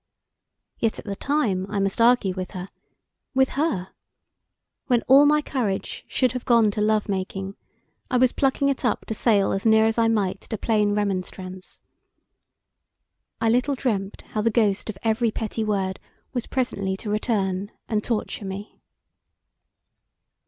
Yet at the time I must argue with her with her! When all my courage should have gone to love making, I was plucking it up to sail as near as I might to plain remonstrance! I little dreamt how the ghost of every petty word was presently to return and torture me.